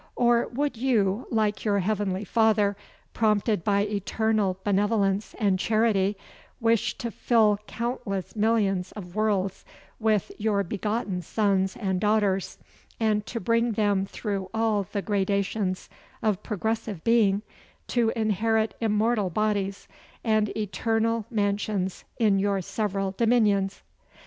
Or, would you, like your heavenly Father, prompted by eternal benevolence and charity, wish to fill countless millions of worlds, with your begotten sons and daughters, and to bring them through all the gradations of progressive being, to inherit immortal bodies, and eternal mansions in your several dominions?